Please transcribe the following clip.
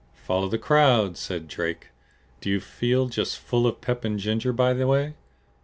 "Follow the crowd!" said Drake. "Do you feel just full of pep and ginger, by the way?"